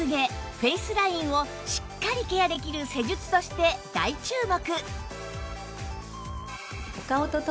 フェイスラインをしっかりケアできる施術として大注目